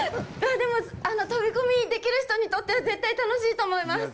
でも、飛び込みできる人にとっては絶対楽しいと思います。